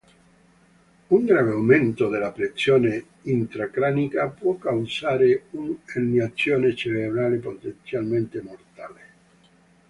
Un grave aumento della pressione intracranica può causare un'erniazione cerebrale potenzialmente mortale.